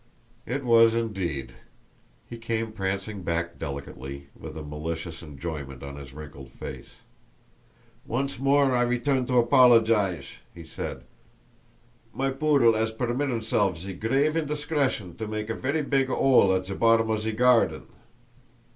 It was indeed; he came prancing back delicately, with a malicious enjoyment on his wrinkled face. "Once more I return to apologise," he said. "My poodle 'as permit 'imself ze grave indiscretion to make a very big 'ole at ze bottom of ze garden!"